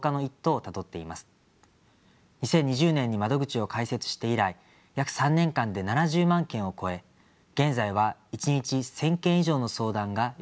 ２０２０年に窓口を開設して以来約３年間で７０万件を超え現在は１日１，０００件以上の相談が寄せられています。